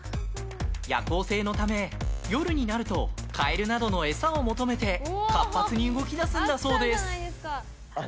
夜行性のため夜になるとカエルなどの餌を求めて活発に動き出すんだそうです。